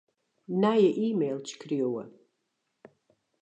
Nije e-mail skriuwe.